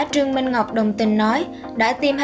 trương minh ngọc đồng tình nói đã tiêm